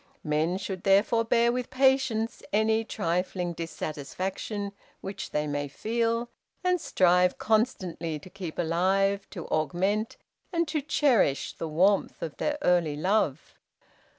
Men should therefore bear with patience any trifling dissatisfaction which they may feel, and strive constantly to keep alive, to augment, and to cherish, the warmth of their early love.